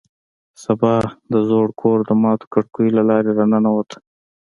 سبا د زوړ کور د ماتو کړکیو له لارې راننوت